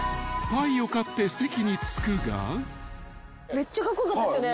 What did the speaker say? めっちゃカッコ良かったですよね。